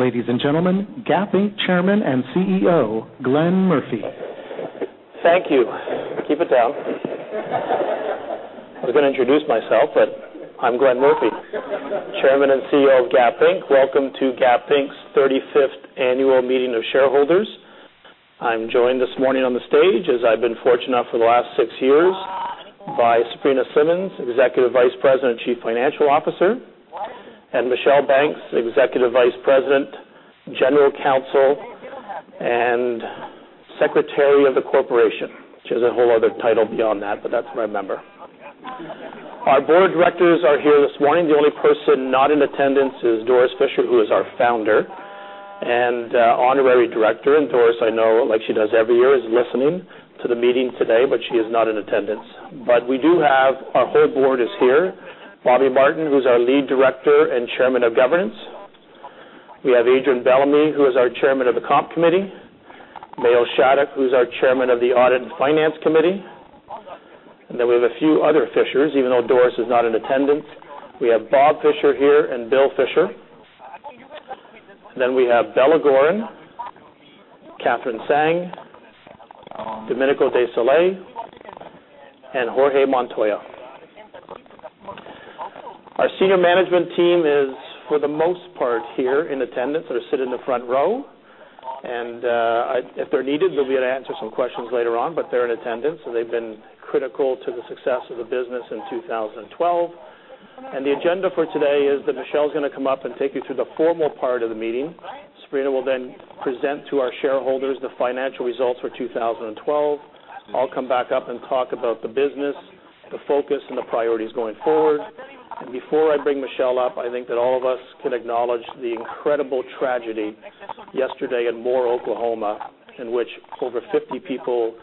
Ladies and gentlemen, Gap Inc. Chairman and CEO, Glenn Murphy. Thank you. Keep it down. I was going to introduce myself, but I'm Glenn Murphy, Chairman and CEO of Gap Inc. Welcome to Gap Inc.'s 35th annual meeting of shareholders. I'm joined this morning on the stage, as I've been fortunate enough for the last six years, by Sabrina Simmons, Executive Vice President, Chief Financial Officer, and Michelle Banks, Executive Vice President, General Counsel, and Secretary of the Corporation. She has a whole other title beyond that, but that's what I remember. Our Board of Directors are here this morning. The only person not in attendance is Doris Fisher, who is our Founder and Honorary Director. Doris, I know, like she does every year, is listening to the meeting today, but she is not in attendance. Our whole Board is here. Bob Martin, who's our Lead Director and Chairman of Governance. We have Adrian Bellamy, who is our Chairman of the Comp Committee. Mayo Shattuck, who's our Chairman of the Audit and Finance Committee. Then we have a few other Fishers, even though Doris is not in attendance. We have Bob Fisher here and Bill Fisher. Then we have Bella Goren, Katherine Tsang, Domenico De Sole, and Jorge Montoya. Our senior management team is, for the most part, here in attendance. They're sitting in the front row. If they're needed, they'll be able to answer some questions later on, but they're in attendance, and they've been critical to the success of the business in 2012. The agenda for today is that Michelle's going to come up and take you through the formal part of the meeting. Sabrina will then present to our shareholders the financial results for 2012. I'll come back up and talk about the business, the focus, and the priorities going forward. Before I bring Michelle up, I think that all of us can acknowledge the incredible tragedy yesterday in Moore, Oklahoma, in which over 50 people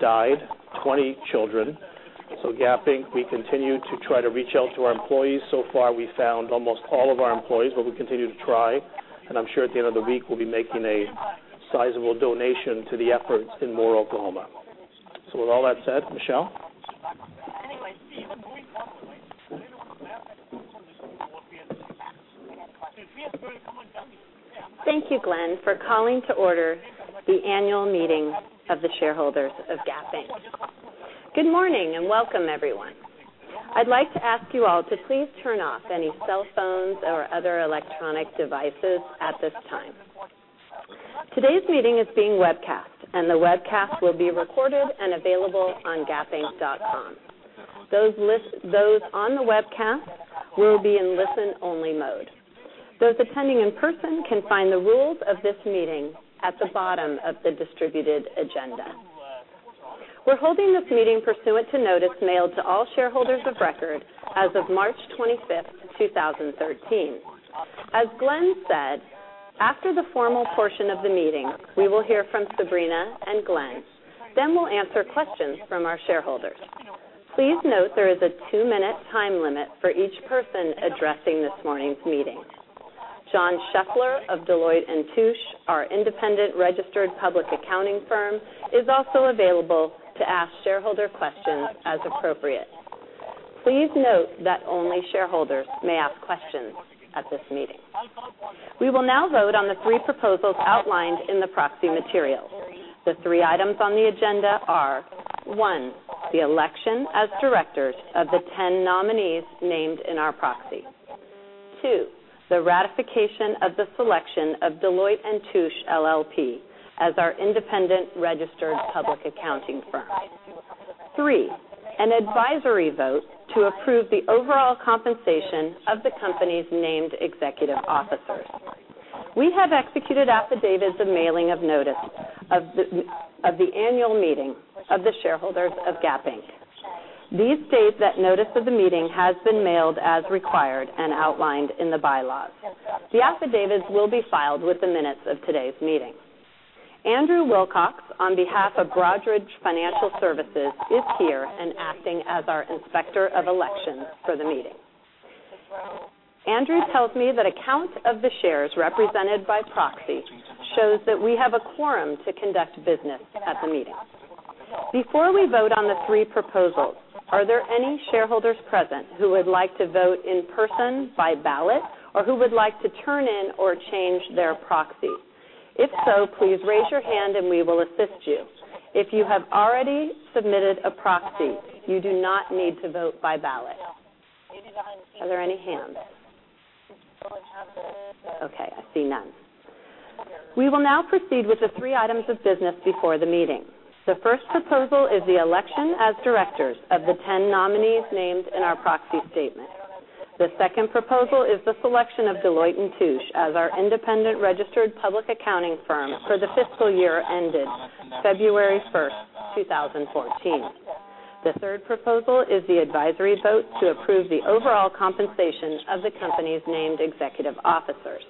died, 20 children. Gap Inc., we continue to try to reach out to our employees. So far, we've found almost all of our employees, but we continue to try, and I'm sure at the end of the week, we'll be making a sizable donation to the efforts in Moore, Oklahoma. With all that said, Michelle? Thank you, Glenn, for calling to order the annual meeting of the shareholders of Gap Inc. Good morning, welcome everyone. I'd like to ask you all to please turn off any cell phones or other electronic devices at this time. Today's meeting is being webcast, the webcast will be recorded and available on gapinc.com. Those on the webcast will be in listen-only mode. Those attending in person can find the rules of this meeting at the bottom of the distributed agenda. We're holding this meeting pursuant to notice mailed to all shareholders of record as of March 25th, 2013. As Glenn said, after the formal portion of the meeting, we will hear from Sabrina and Glenn, we'll answer questions from our shareholders. Please note there is a two-minute time limit for each person addressing this morning's meeting. John Scheffler of Deloitte & Touche, our independent registered public accounting firm, is also available to ask shareholder questions as appropriate. Please note that only shareholders may ask questions at this meeting. We will now vote on the three proposals outlined in the proxy materials. The three items on the agenda are, one, the election as directors of the 10 nominees named in our proxy. two, the ratification of the selection of Deloitte & Touche LLP as our independent registered public accounting firm. Three, an advisory vote to approve the overall compensation of the company's named executive officers. We have executed affidavits of mailing of notice of the annual meeting of the shareholders of Gap Inc. These state that notice of the meeting has been mailed as required and outlined in the bylaws. The affidavits will be filed with the minutes of today's meeting. Andrew Wilcox, on behalf of Broadridge Financial Solutions, is here and acting as our Inspector of Election for the meeting. Andrew tells me that a count of the shares represented by proxy shows that we have a quorum to conduct business at the meeting. Before we vote on the three proposals, are there any shareholders present who would like to vote in person by ballot or who would like to turn in or change their proxy? If so, please raise your hand, and we will assist you. If you have already submitted a proxy, you do not need to vote by ballot. Are there any hands? Okay, I see none. We will now proceed with the three items of business before the meeting. The first proposal is the election as directors of the 10 nominees named in our proxy statement. The second proposal is the selection of Deloitte & Touche as our independent registered public accounting firm for the fiscal year ended February 1st, 2014. The third proposal is the advisory vote to approve the overall compensation of the company's named executive officers.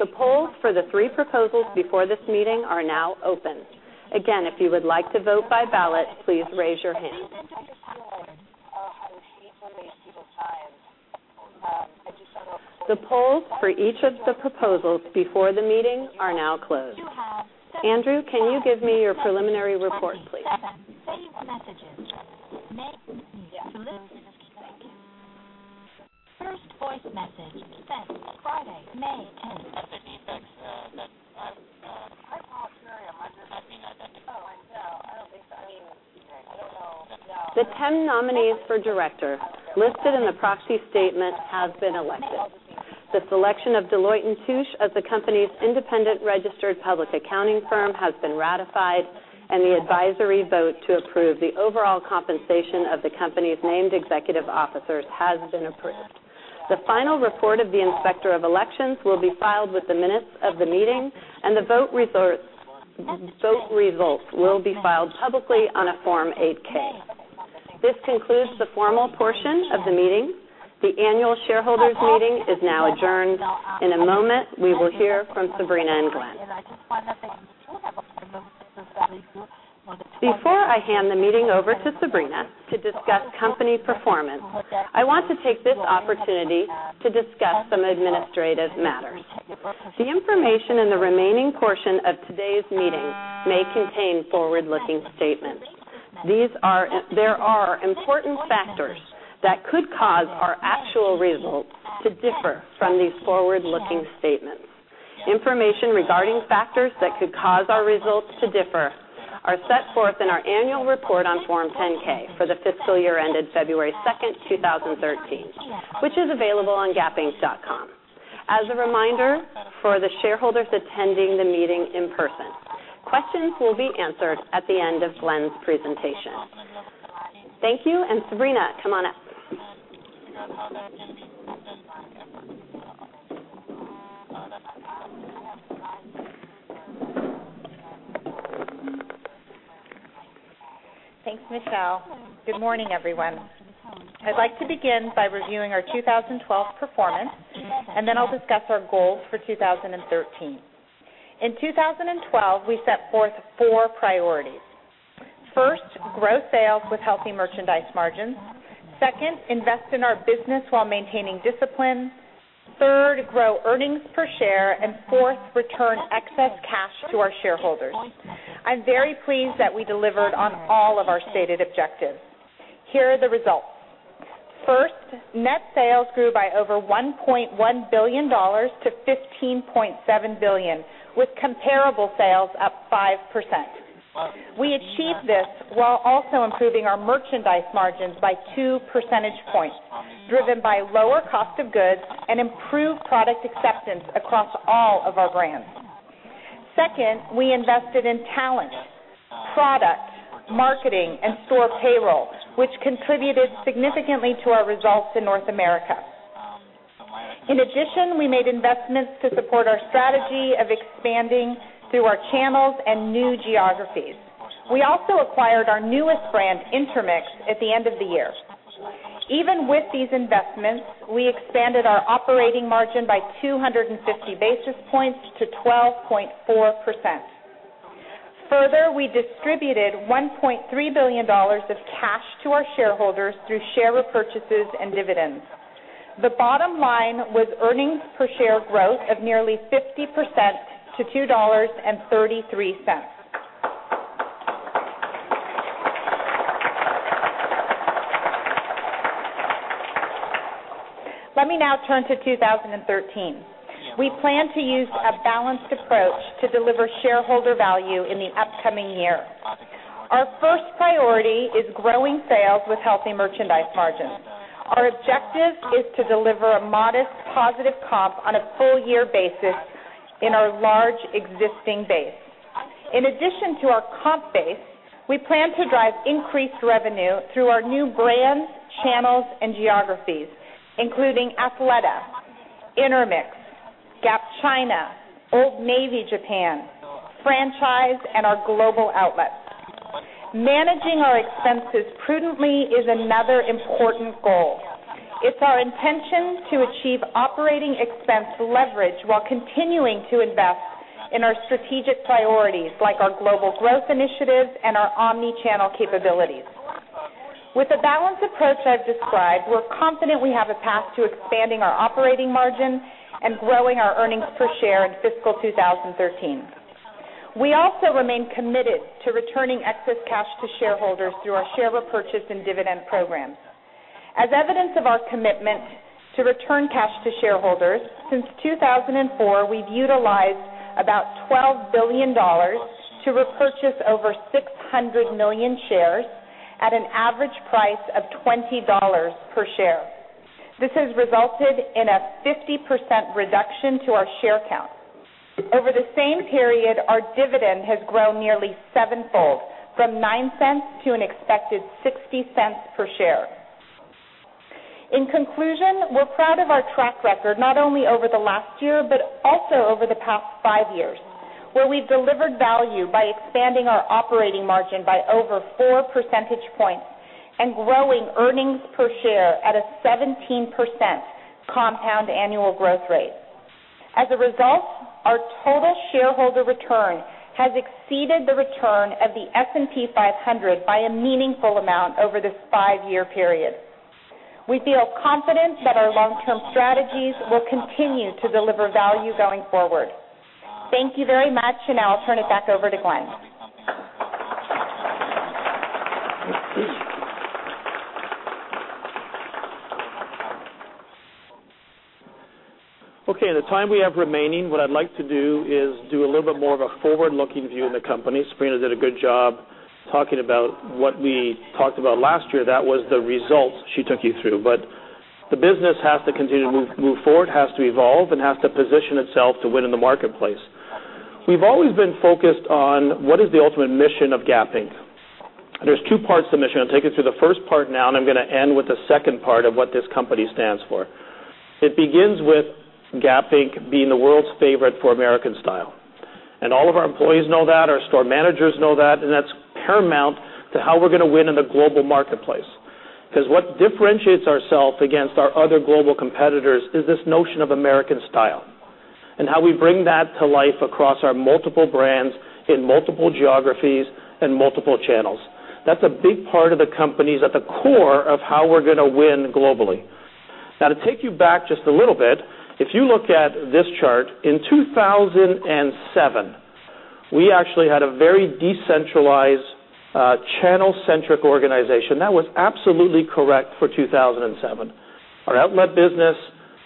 The polls for the three proposals before this meeting are now open. Again, if you would like to vote by ballot, please raise your hand. The polls for each of the proposals before the meeting are now closed. Andrew, can you give me your preliminary report, please? First voice message sent Friday, May 10. I volunteer at my church. The 10 nominees for director listed in the proxy statement have been elected. The selection of Deloitte & Touche as the company's independent registered public accounting firm has been ratified. The advisory vote to approve the overall compensation of the company's named executive officers has been approved. The final report of the Inspector of Elections will be filed with the minutes of the meeting. The vote results will be filed publicly on a Form 8-K. This concludes the formal portion of the meeting. The annual shareholders meeting is now adjourned. In a moment, we will hear from Sabrina and Glenn. Before I hand the meeting over to Sabrina to discuss company performance, I want to take this opportunity to discuss some administrative matters. The information in the remaining portion of today's meeting may contain forward-looking statements. There are important factors that could cause our actual results to differ from these forward-looking statements. Information regarding factors that could cause our results to differ are set forth in our annual report on Form 10-K for the fiscal year ended February 2nd, 2013, which is available on gapinc.com. As a reminder for the shareholders attending the meeting in person, questions will be answered at the end of Glenn's presentation. Thank you. Sabrina, come on up. Thanks, Michelle. Good morning, everyone. I'd like to begin by reviewing our 2012 performance. Then I'll discuss our goals for 2013. In 2012, we set forth four priorities. First, grow sales with healthy merchandise margins. Second, invest in our business while maintaining discipline. Third, grow earnings per share. Fourth, return excess cash to our shareholders. I'm very pleased that we delivered on all of our stated objectives. Here are the results. First, net sales grew by over $1.1 billion to $15.7 billion, with comparable sales up 5%. We achieved this while also improving our merchandise margins by two percentage points, driven by lower cost of goods and improved product acceptance across all of our brands. Second, we invested in talent, product, marketing, and store payroll, which contributed significantly to our results in North America. In addition, we made investments to support our strategy of expanding through our channels and new geographies. We also acquired our newest brand, Intermix, at the end of the year. Even with these investments, we expanded our operating margin by 250 basis points to 12.4%. Further, we distributed $1.3 billion of cash to our shareholders through share repurchases and dividends. The bottom line was earnings per share growth of nearly 50% to $2.33. Let me now turn to 2013. We plan to use a balanced approach to deliver shareholder value in the upcoming year. Our first priority is growing sales with healthy merchandise margins. Our objective is to deliver a modest positive comp on a full year basis in our large existing base. In addition to our comp base, we plan to drive increased revenue through our new brands, channels, and geographies, including Athleta, Intermix, Gap China, Old Navy Japan, franchise, and our global outlets. Managing our expenses prudently is another important goal. It's our intention to achieve operating expense leverage while continuing to invest in our strategic priorities, like our global growth initiatives and our omni-channel capabilities. With the balanced approach I've described, we're confident we have a path to expanding our operating margin and growing our earnings per share in fiscal 2013. We also remain committed to returning excess cash to shareholders through our share repurchase and dividend programs. As evidence of our commitment to return cash to shareholders, since 2004, we've utilized about $12 billion to repurchase over 600 million shares at an average price of $20 per share. This has resulted in a 50% reduction to our share count. Over the same period, our dividend has grown nearly sevenfold from $0.09 to an expected $0.60 per share. In conclusion, we're proud of our track record not only over the last year, but also over the past five years, where we've delivered value by expanding our operating margin by over four percentage points and growing earnings per share at a 17% compound annual growth rate. As a result, our total shareholder return has exceeded the return of the S&P 500 by a meaningful amount over this five-year period. We feel confident that our long-term strategies will continue to deliver value going forward. Thank you very much, now I'll turn it back over to Glenn. Okay, in the time we have remaining, what I'd like to do is do a little bit more of a forward-looking view in the company. Sabrina did a good job talking about what we talked about last year. That was the results she took you through. The business has to continue to move forward, has to evolve, and has to position itself to win in the marketplace. We've always been focused on what is the ultimate mission of Gap Inc. There's two parts to the mission. I'll take you through the first part now, and I'm going to end with the second part of what this company stands for. It begins with Gap Inc. being the world's favorite for American style. All of our employees know that, our store managers know that, and that's paramount to how we're going to win in the global marketplace. What differentiates ourselves against our other global competitors is this notion of American style, and how we bring that to life across our multiple brands in multiple geographies and multiple channels. That's a big part of the company, it's at the core of how we're going to win globally. To take you back just a little bit, if you look at this chart, in 2007, we actually had a very decentralized, channel-centric organization. That was absolutely correct for 2007. Our outlet business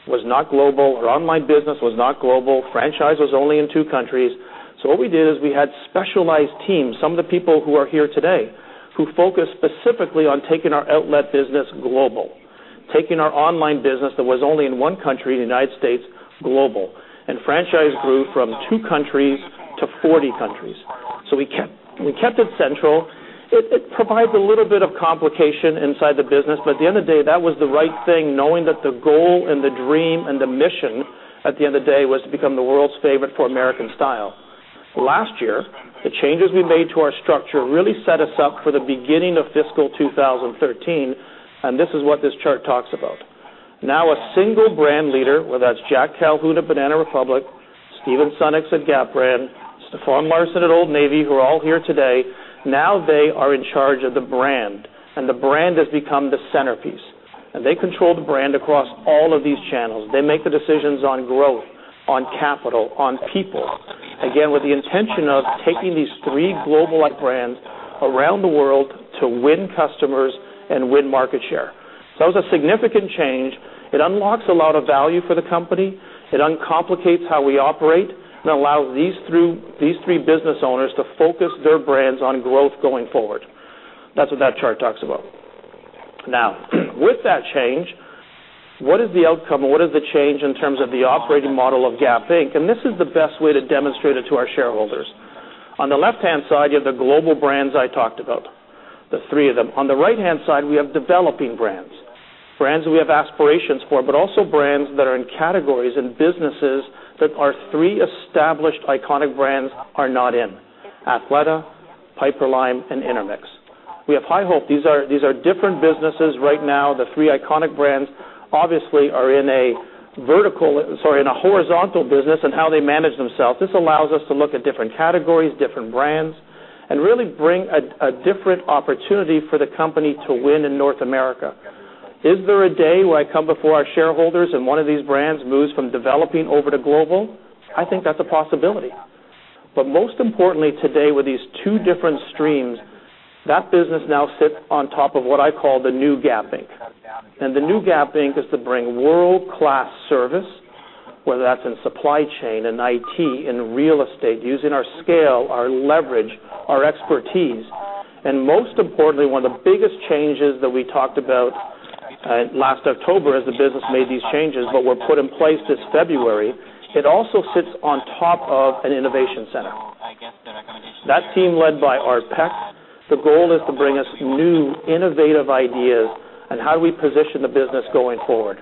was not global, our online business was not global. Franchise was only in two countries. What we did is we had specialized teams, some of the people who are here today, who focused specifically on taking our outlet business global, taking our online business that was only in one country, the U.S., global. Franchise grew from two countries to 40 countries. We kept it central. It provides a little bit of complication inside the business, but at the end of the day, that was the right thing, knowing that the goal and the dream and the mission at the end of the day was to become the world's favorite for American style. Last year, the changes we made to our structure really set us up for the beginning of fiscal 2013. This is what this chart talks about. A single brand leader, whether that's Jack Calhoun at Banana Republic, Stephen Sunnucks at Gap brand, Stefan Larsson at Old Navy, who are all here today. They are in charge of the brand. The brand has become the centerpiece. They control the brand across all of these channels. They make the decisions on growth, on capital, on people. Again, with the intention of taking these three globalized brands around the world to win customers and win market share. It was a significant change. It unlocks a lot of value for the company. It uncomplicates how we operate and allows these three business owners to focus their brands on growth going forward. That's what that chart talks about. With that change, what is the outcome and what is the change in terms of the operating model of Gap Inc.? This is the best way to demonstrate it to our shareholders. On the left-hand side, you have the global brands I talked about, the three of them. On the right-hand side, we have developing brands. Brands we have aspirations for, but also brands that are in categories and businesses that our three established iconic brands are not in. Athleta, Piperlime, and Intermix. We have high hope. These are different businesses right now. The three iconic brands obviously are in a horizontal business in how they manage themselves. This allows us to look at different categories, different brands, and really bring a different opportunity for the company to win in North America. Is there a day where I come before our shareholders and one of these brands moves from developing over to global? I think that's a possibility. Most importantly today, with these two different streams, that business now sits on top of what I call the new Gap Inc. The new Gap Inc. is to bring world-class service, whether that's in supply chain, in IT, in real estate, using our scale, our leverage, our expertise. Most importantly, one of the biggest changes that we talked about last October as the business made these changes, but were put in place this February, it also sits on top of an innovation center. That team led by Art Peck. The goal is to bring us new, innovative ideas on how do we position the business going forward.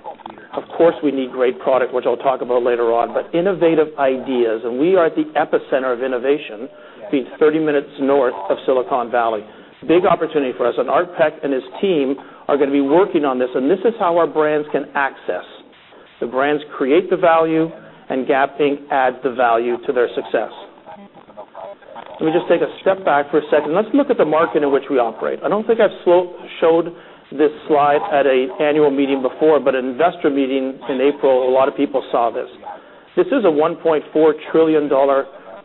Of course, we need great product, which I will talk about later on. Innovative ideas, and we are at the epicenter of innovation, being 30 minutes north of Silicon Valley. Big opportunity for us, and Art Peck and his team are going to be working on this, and this is how our brands can access. The brands create the value, and Gap Inc. adds the value to their success. Let me just take a step back for a second. Let's look at the market in which we operate. I do not think I have showed this slide at an annual meeting before. An investor meeting in April, a lot of people saw this. This is a $1.4 trillion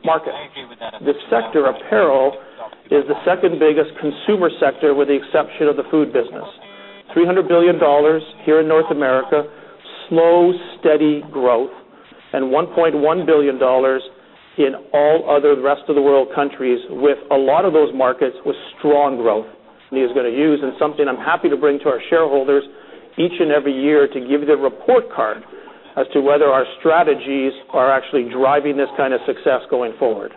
market. The sector apparel is the second biggest consumer sector with the exception of the food business. $300 billion here in North America, slow, steady growth, and $1.1 billion in all other rest of the world countries, with a lot of those markets with strong growth. He is going to use, something I am happy to bring to our shareholders each and every year to give the report card as to whether our strategies are actually driving this kind of success going forward.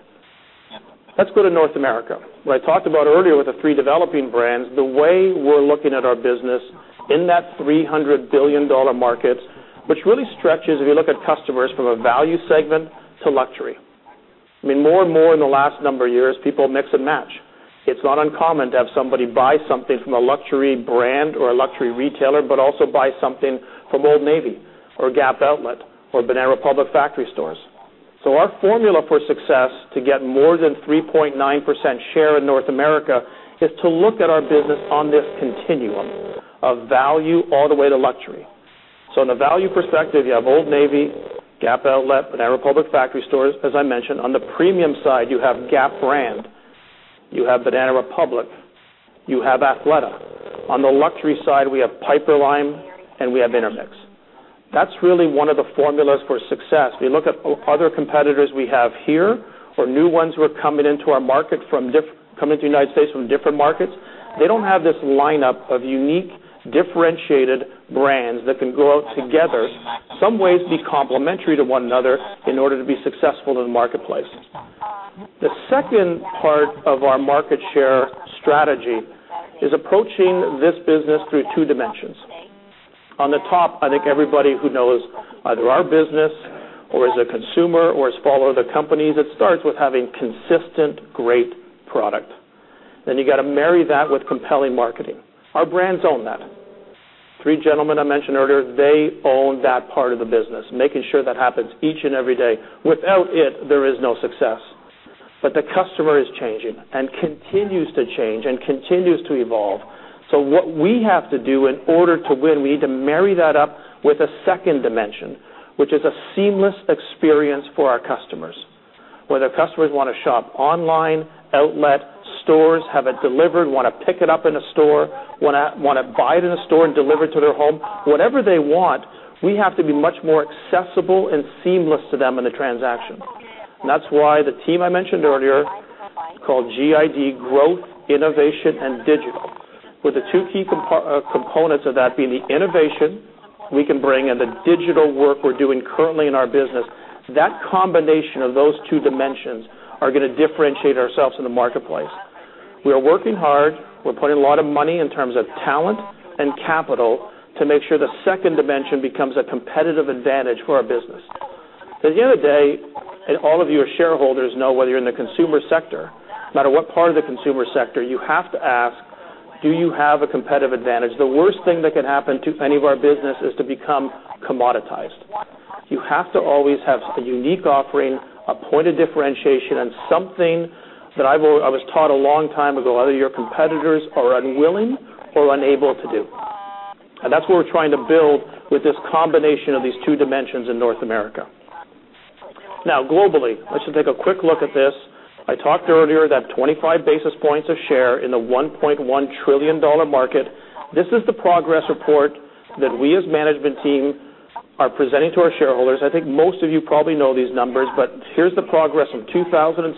Let's go to North America. What I talked about earlier with the three developing brands, the way we are looking at our business in that $300 billion market, which really stretches, if you look at customers from a value segment to luxury. I mean, more and more in the last number of years, people mix and match. It is not uncommon to have somebody buy something from a luxury brand or a luxury retailer, also buy something from Old Navy or Gap Outlet or Banana Republic factory stores. Our formula for success to get more than 3.9% share in North America is to look at our business on this continuum of value all the way to luxury. In the value perspective, you have Old Navy, Gap Outlet, Banana Republic factory stores, as I mentioned. On the premium side, you have Gap brand, you have Banana Republic, you have Athleta. On the luxury side, we have Piperlime and we have Intermix. That is really one of the formulas for success. We look at other competitors we have here or new ones who are coming into the United States from different markets. They do not have this lineup of unique, differentiated brands that can go out together, some ways be complementary to one another in order to be successful in the marketplace. The second part of our market share strategy is approaching this business through two dimensions. On the top, I think everybody who knows either our business or as a consumer or follows other companies, it starts with having consistent great product. You got to marry that with compelling marketing. Our brands own that. Three gentlemen I mentioned earlier, they own that part of the business, making sure that happens each and every day. Without it, there is no success. The customer is changing and continues to change and continues to evolve. What we have to do in order to win, we need to marry that up with a second dimension, which is a seamless experience for our customers. Whether customers want to shop online, outlet, stores, have it delivered, want to pick it up in a store, want to buy it in a store and deliver it to their home. Whatever they want, we have to be much more accessible and seamless to them in the transaction. That's why the team I mentioned earlier, called GID, Growth, Innovation, and Digital, with the two key components of that being the innovation we can bring and the digital work we're doing currently in our business. That combination of those two dimensions are going to differentiate ourselves in the marketplace. We are working hard. We're putting a lot of money in terms of talent and capital to make sure the second dimension becomes a competitive advantage for our business. At the end of the day, and all of you as shareholders know, whether you're in the consumer sector, no matter what part of the consumer sector, you have to ask, do you have a competitive advantage? The worst thing that can happen to any of our business is to become commoditized. You have to always have a unique offering, a point of differentiation, and something that I was taught a long time ago, either your competitors are unwilling or unable to do. That's what we're trying to build with this combination of these two dimensions in North America. Globally, I should take a quick look at this. I talked earlier that 25 basis points of share in the $1.1 trillion market. This is the progress report that we as management team are presenting to our shareholders. I think most of you probably know these numbers, here's the progress from 2007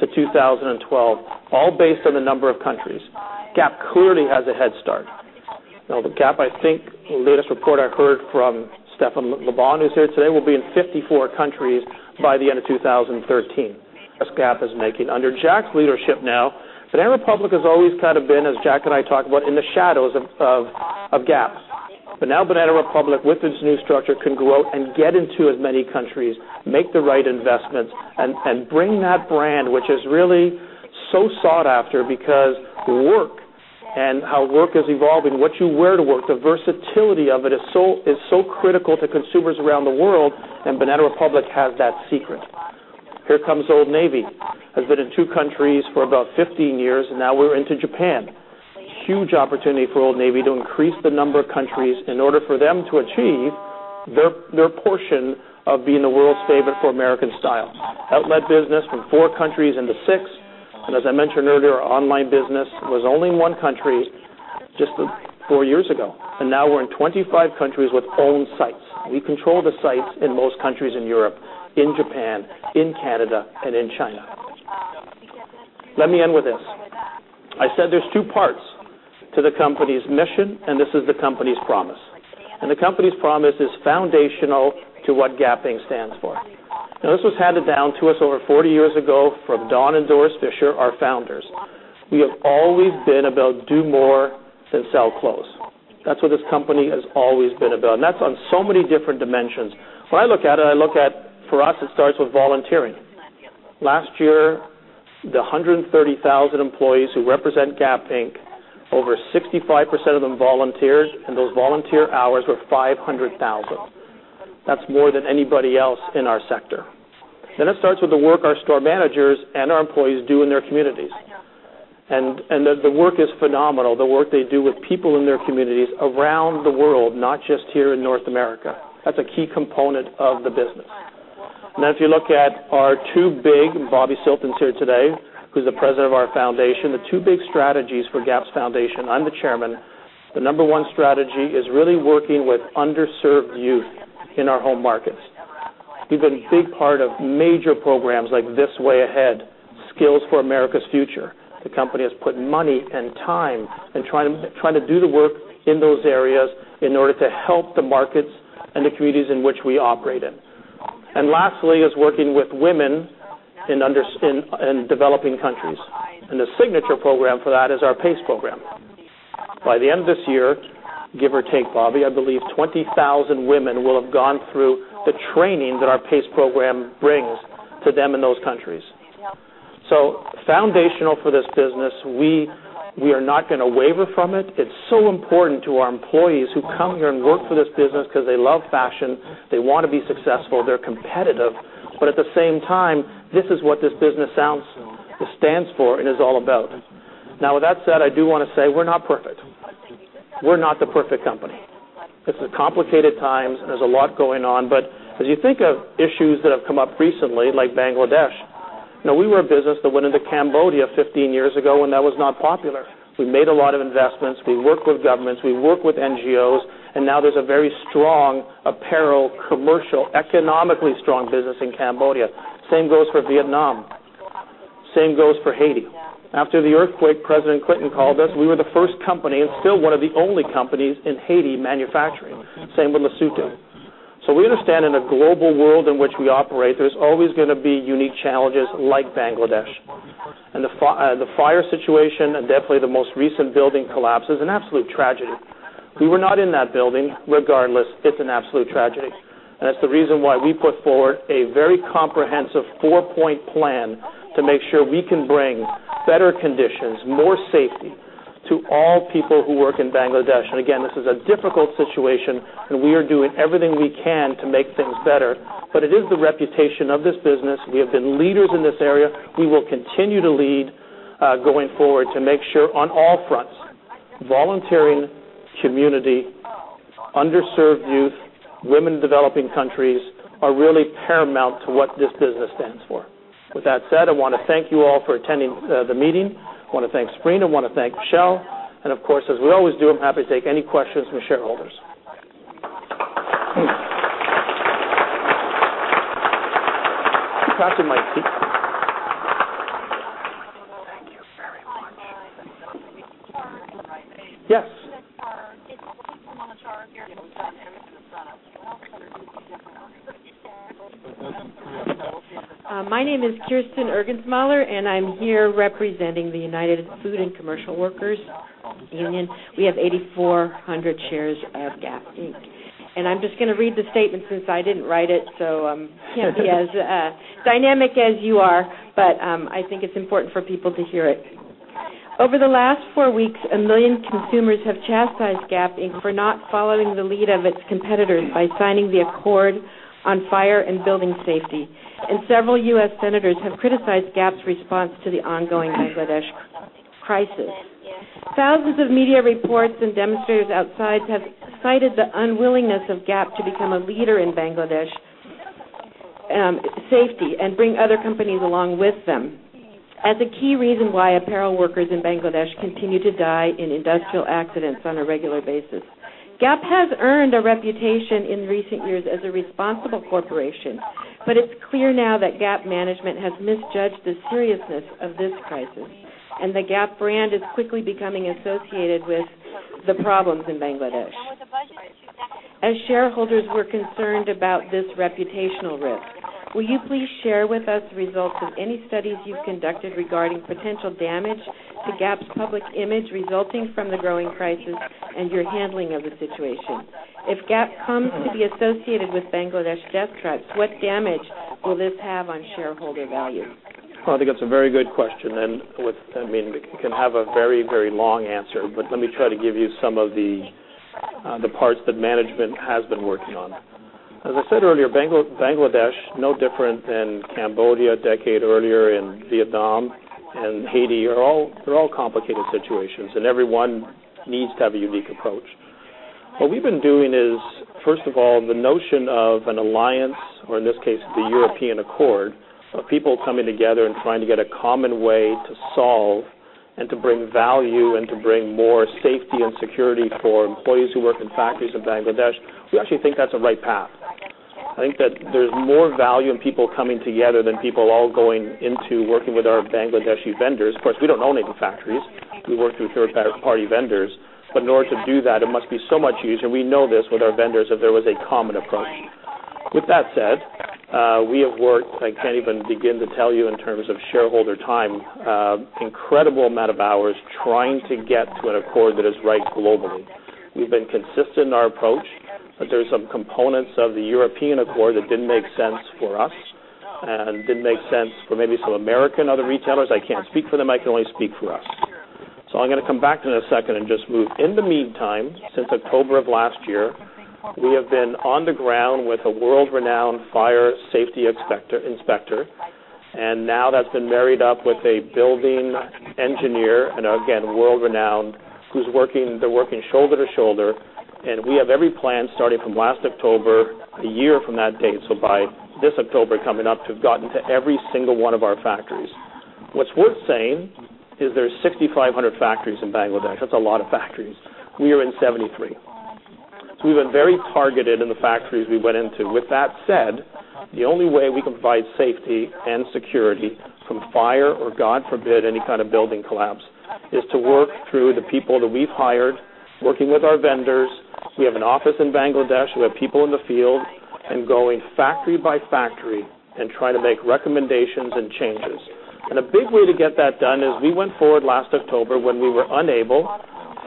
to 2012, all based on the number of countries. Gap clearly has a head start. With Gap, I think the latest report I heard from Stefan Larsson, who's here today, will be in 54 countries by the end of 2013. As Gap is making under Jack's leadership now, Banana Republic has always kind of been, as Jack and I talk about, in the shadows of Gap. Now Banana Republic, with its new structure, can go out and get into as many countries, make the right investments, and bring that brand, which is really so sought after because work and how work is evolving, what you wear to work, the versatility of it is so critical to consumers around the world, and Banana Republic has that secret. Here comes Old Navy. Has been in two countries for about 15 years, and now we're into Japan. Huge opportunity for Old Navy to increase the number of countries in order for them to achieve their portion of being the world's favorite for American style. Outlet business from four countries into six. As I mentioned earlier, our online business was only in one country just four years ago, and now we're in 25 countries with own sites. We control the sites in most countries in Europe, in Japan, in Canada, and in China. Let me end with this. I said there's two parts to the company's mission. This is the company's promise. The company's promise is foundational to what Gap Inc. stands for. This was handed down to us over 40 years ago from Don and Doris Fisher, our founders. We have always been about do more than sell clothes. That's what this company has always been about, and that's on so many different dimensions. When I look at it, for us, it starts with volunteering. Last year, the 130,000 employees who represent Gap Inc, over 65% of them volunteers, and those volunteer hours were 500,000. That's more than anybody else in our sector. It starts with the work our store managers and our employees do in their communities. The work is phenomenal, the work they do with people in their communities around the world, not just here in North America. That's a key component of the business. If you look at our two big, Bobbi Silten's here today, who's the president of our foundation, the two big strategies for The Gap Foundation. I'm the chairman. The number 1 strategy is really working with underserved youth in our home markets. We've been a big part of major programs like This Way Ahead, Skills for America's Future. The company has put money and time in trying to do the work in those areas in order to help the markets and the communities in which we operate in. Lastly is working with women in developing countries. The signature program for that is our P.A.C.E. program. By the end of this year, give or take, Bobbi, I believe 20,000 women will have gone through the training that our P.A.C.E. program brings to them in those countries. Foundational for this business. We are not going to waver from it. It's so important to our employees who come here and work for this business because they love fashion, they want to be successful, they're competitive. At the same time, this is what this business stands for and is all about. With that said, I do want to say we're not perfect. We're not the perfect company. It's complicated times, and there's a lot going on. As you think of issues that have come up recently, like Bangladesh, we were a business that went into Cambodia 15 years ago when that was not popular. We made a lot of investments. We worked with governments. We worked with NGOs, and now there's a very strong apparel, commercial, economically strong business in Cambodia. Same goes for Vietnam. Same goes for Haiti. After the earthquake, President Clinton called us. We were the first company, and still one of the only companies, in Haiti manufacturing. Same with Lesotho. We understand in a global world in which we operate, there's always going to be unique challenges like Bangladesh, and the fire situation, and definitely the most recent building collapse is an absolute tragedy. We were not in that building. Regardless, it's an absolute tragedy, and that's the reason why we put forward a very comprehensive 4-point plan to make sure we can bring better conditions, more safety to all people who work in Bangladesh. Again, this is a difficult situation, and we are doing everything we can to make things better. It is the reputation of this business. We have been leaders in this area. We will continue to lead going forward to make sure on all fronts, volunteering, community, underserved youth, women in developing countries are really paramount to what this business stands for. With that said, I want to thank you all for attending the meeting. I want to thank Sabrina, I want to thank Michelle, and of course, as we always do, I'm happy to take any questions from shareholders. I'm passing my sheet. Thank you very much. Yes. My name is Kirsten Urgensmaller, and I'm here representing the United Food and Commercial Workers Union. We have 8,400 shares of Gap Inc. I'm just going to read the statement since I didn't write it, so can't be as dynamic as you are. I think it's important for people to hear it. Over the last four weeks, 1 million consumers have chastised Gap Inc. for not following the lead of its competitors by signing the Accord on Fire and Building Safety. Several U.S. senators have criticized Gap's response to the ongoing Bangladesh crisis. Thousands of media reports and demonstrators outside have cited the unwillingness of Gap to become a leader in Bangladesh safety and bring other companies along with them as a key reason why apparel workers in Bangladesh continue to die in industrial accidents on a regular basis. Gap has earned a reputation in recent years as a responsible corporation. It's clear now that Gap management has misjudged the seriousness of this crisis, and the Gap brand is quickly becoming associated with the problems in Bangladesh. As shareholders, we're concerned about this reputational risk. Will you please share with us results of any studies you've conducted regarding potential damage to Gap's public image resulting from the growing crisis and your handling of the situation? If Gap comes to be associated with Bangladesh death traps, what damage will this have on shareholder value? Well, I think that's a very good question, and it can have a very long answer, but let me try to give you some of the parts that management has been working on. As I said earlier, Bangladesh, no different than Cambodia a decade earlier, and Vietnam, and Haiti. They're all complicated situations, and every one needs to have a unique approach. What we've been doing is, first of all, the notion of an alliance, or in this case, the European Accord, of people coming together and trying to get a common way to solve and to bring value and to bring more safety and security for employees who work in factories in Bangladesh. We actually think that's the right path. I think that there's more value in people coming together than people all going into working with our Bangladeshi vendors. Of course, we don't own any factories. We work through third-party vendors. In order to do that, it must be so much easier. We know this with our vendors, if there was a common approach. With that said, we have worked, I can't even begin to tell you in terms of shareholder time, incredible amount of hours trying to get to an accord that is right globally. We've been consistent in our approach, but there are some components of the European Accord that didn't make sense for us and didn't make sense for maybe some American other retailers. I can't speak for them. I can only speak for us. I'm going to come back to that in a second and just move. In the meantime, since October of last year, we have been on the ground with a world-renowned fire safety inspector, and now that's been married up with a building engineer, and again, world-renowned, they're working shoulder to shoulder. We have every plan starting from last October, a year from that date, so by this October coming up, to have gotten to every single one of our factories. What's worth saying is there's 6,500 factories in Bangladesh. That's a lot of factories. We are in 73. We've been very targeted in the factories we went into. With that said, the only way we can provide safety and security from fire or, God forbid, any kind of building collapse, is to work through the people that we've hired, working with our vendors. We have an office in Bangladesh. We have people in the field and going factory by factory and trying to make recommendations and changes. A big way to get that done is we went forward last October when we were unable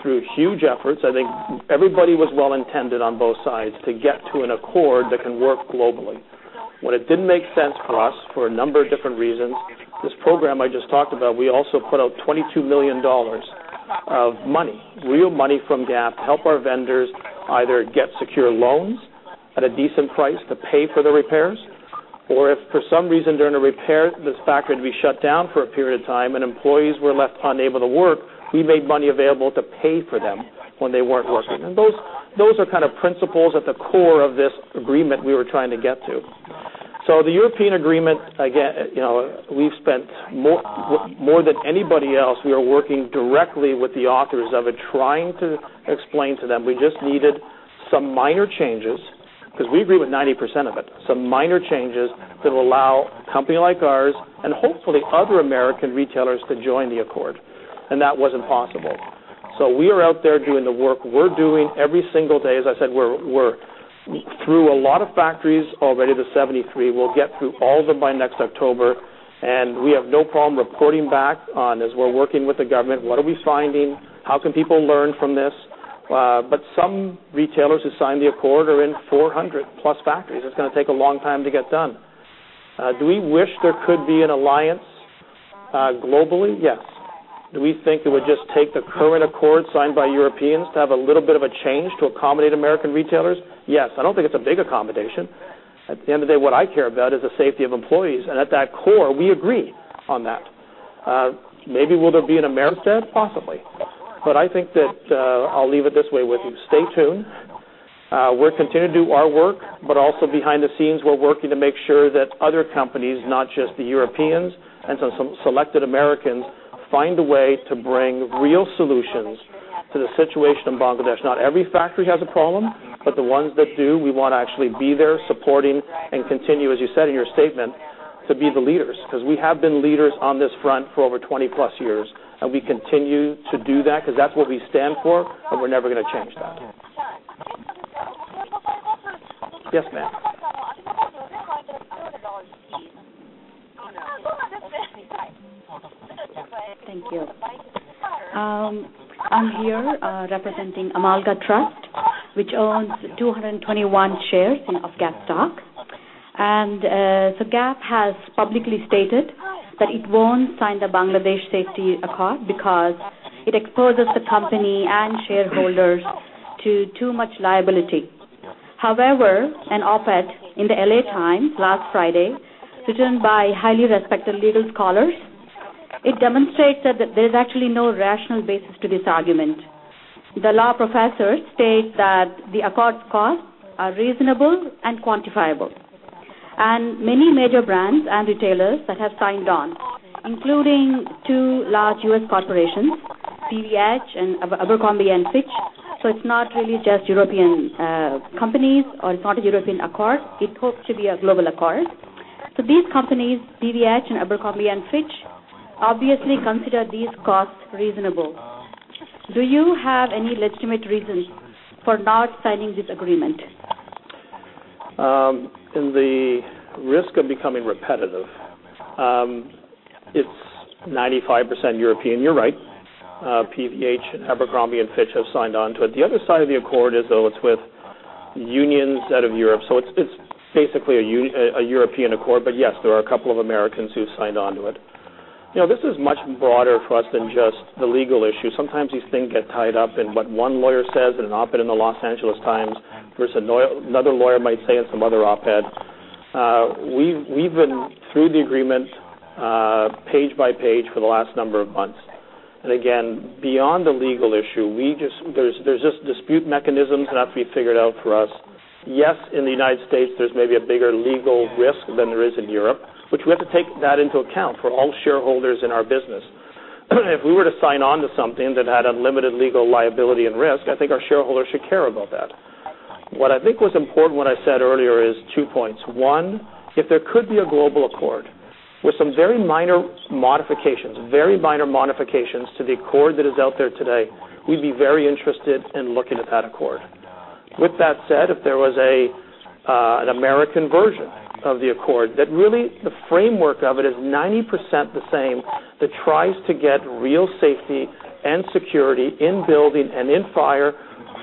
Through huge efforts, I think everybody was well-intended on both sides to get to an accord that can work globally. What it didn't make sense for us, for a number of different reasons, this program I just talked about, we also put out $22 million of money, real money from Gap, to help our vendors either get secure loans at a decent price to pay for the repairs, or if for some reason during a repair, this factory would be shut down for a period of time and employees were left unable to work, we made money available to pay for them when they weren't working. Those are principles at the core of this agreement we were trying to get to. The European agreement, again, we've spent more than anybody else. We are working directly with the authors of it, trying to explain to them we just needed some minor changes, because we agree with 90% of it. Some minor changes that allow a company like ours and hopefully other American retailers to join the Accord, and that wasn't possible. We are out there doing the work. We're doing every single day, as I said, we're through a lot of factories already, the 73. We'll get through all of them by next October, and we have no problem reporting back on as we're working with the government, what are we finding? How can people learn from this? Some retailers who sign the Accord are in 400-plus factories. It's going to take a long time to get done. Do we wish there could be an alliance globally? Yes. Do we think it would just take the current Accord signed by Europeans to have a little bit of a change to accommodate American retailers? Yes. I don't think it's a big accommodation. At the end of the day, what I care about is the safety of employees, and at that core, we agree on that. Maybe will there be an Americord? Possibly. I think that I'll leave it this way with you. Stay tuned. We'll continue to do our work, but also behind the scenes, we're working to make sure that other companies, not just the Europeans and some selected Americans, find a way to bring real solutions to the situation in Bangladesh. Not every factory has a problem, but the ones that do, we want to actually be there supporting and continue, as you said in your statement, to be the leaders because we have been leaders on this front for over 20-plus years, and we continue to do that because that's what we stand for, and we're never going to change that. Yes, ma'am. Thank you. I'm here representing Amalgamated Bank, which owns 221 shares of Gap stock. Gap has publicly stated that it won't sign the Bangladesh safety Accord because it exposes the company and shareholders to too much liability. However, an op-ed in the "L.A. Times" last Friday written by highly respected legal scholars, it demonstrates that there's actually no rational basis to this argument. The law professors state that the Accord's costs are reasonable and quantifiable, and many major brands and retailers that have signed on, including two large U.S. corporations, PVH and Abercrombie & Fitch. It's not really just European companies, or it's not a European Accord. It hopes to be a global Accord. These companies, PVH and Abercrombie & Fitch, obviously consider these costs reasonable. Do you have any legitimate reason for not signing this agreement? In the risk of becoming repetitive. It's 95% European, you're right. PVH and Abercrombie & Fitch have signed on to it. The other side of the accord is, though, it's with unions out of Europe. It's basically a European accord, but yes, there are a couple of Americans who signed onto it. This is much broader for us than just the legal issue. Sometimes these things get tied up in what one lawyer says in an op-ed in the "Los Angeles Times," versus another lawyer might say in some other op-ed. We've been through the agreement page by page for the last number of months. Again, beyond the legal issue, there's just dispute mechanisms that have to be figured out for us. Yes, in the U.S., there's maybe a bigger legal risk than there is in Europe, which we have to take that into account for all shareholders in our business. If we were to sign on to something that had unlimited legal liability and risk, I think our shareholders should care about that. What I think was important, what I said earlier, is two points. One, if there could be a global accord with some very minor modifications, very minor modifications to the accord that is out there today, we'd be very interested in looking at that accord. With that said, if there was an American version of the accord that really the framework of it is 90% the same, that tries to get real safety and security in building and in fire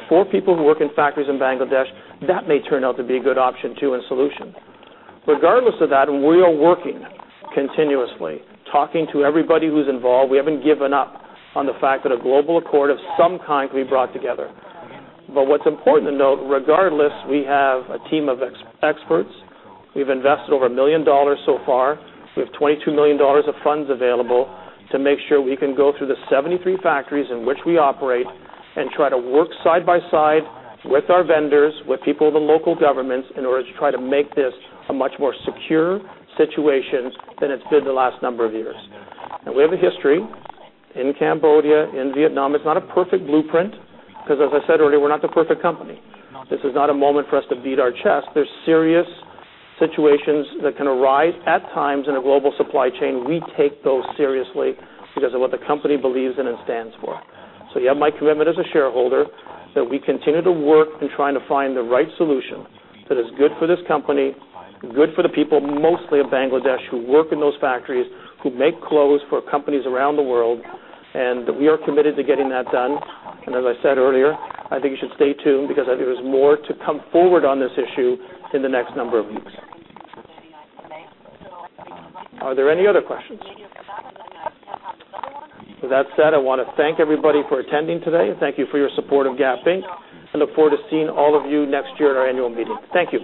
for people who work in factories in Bangladesh, that may turn out to be a good option, too, and solution. Regardless of that, we are working continuously, talking to everybody who's involved. We haven't given up on the fact that a global accord of some kind can be brought together. What's important to note, regardless, we have a team of experts. We've invested over $1 million so far. We have $22 million of funds available to make sure we can go through the 73 factories in which we operate and try to work side by side with our vendors, with people of the local governments, in order to try to make this a much more secure situation than it's been the last number of years. We have a history in Cambodia, in Vietnam. It's not a perfect blueprint because, as I said earlier, we're not the perfect company. This is not a moment for us to beat our chest. There's serious situations that can arise at times in a global supply chain. We take those seriously because of what the company believes in and stands for. You have my commitment as a shareholder that we continue to work in trying to find the right solution that is good for this company, good for the people, mostly of Bangladesh, who work in those factories, who make clothes for companies around the world. We are committed to getting that done. As I said earlier, I think you should stay tuned because there is more to come forward on this issue in the next number of weeks. Are there any other questions? With that said, I want to thank everybody for attending today. Thank you for your support of Gap Inc. I look forward to seeing all of you next year at our annual meeting. Thank you.